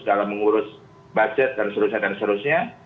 dalam mengurus budget dan sebagainya